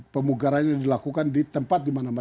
pemugaran ini dilakukan kita harus membuat rumah yang bagus